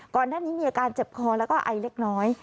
ก่อนหน้านี้มีอาการเจ็บคอแล้วก็ไอเล็กน้อย